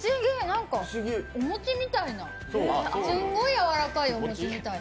なんかお餅みたいな、すんごいやわらかいお餅みたいな。